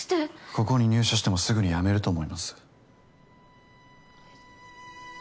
ここに入社してもすぐに辞めると思いますえっ？